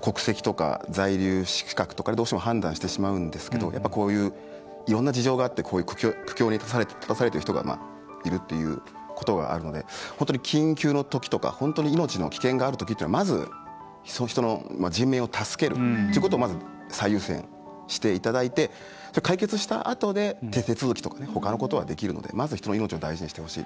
国籍とか在留資格とかでどうしても判断してしまうんですけどこういういろんな事情があって苦境に立たされてる人がいるっていうことがあるので本当に緊急のときとか、本当に命の危険があるときというのはまず、その人の人命を助けるということをまず最優先していただいて解決したあとで手続きとかほかのことはできるのでまず、人の命を大事にしてほしい。